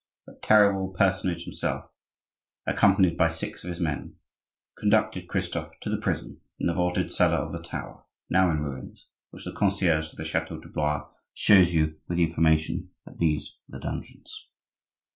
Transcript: That terrible personage himself, accompanied by six of his men, conducted Christophe to the prison in the vaulted cellar of the tower, now in ruins, which the concierge of the chateau de Blois shows you with the information that these were the dungeons.